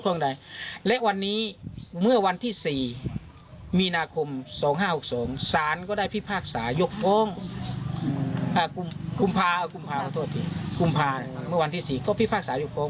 กุมภาวันที่๔ก็พิพากษายกโฟง